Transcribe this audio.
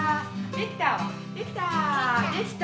できた！